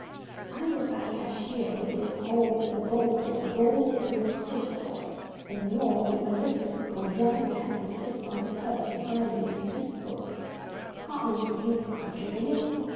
I'm the fat cashier who digs holes in a drawerful of gold with a copper shovel, and you're the arithmetical young man who sits on a perch behind me and keeps the books. Scotland's a beautiful country, William.